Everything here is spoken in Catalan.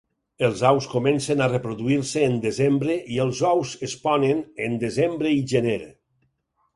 Els aus comencen a reproduir-se en desembre i els ous es ponen en desembre i gener.